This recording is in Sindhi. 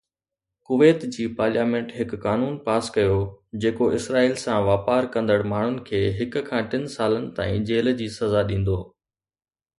ڪويت جي پارليامينٽ هڪ قانون پاس ڪيو جيڪو اسرائيل سان واپار ڪندڙ ماڻهن کي هڪ کان ٽن سالن تائين جيل جي سزا ڏيندو